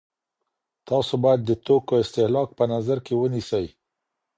تاسو باید د توکو استهلاک په نظر کي ونیسئ.